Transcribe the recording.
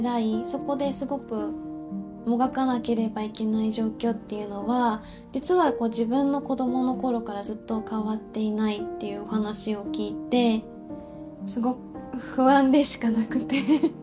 そこですごくもがかなければいけない状況っていうのは実は自分の子どものころからずっと変わっていないっていうお話を聞いてすごく不安でしかなくて。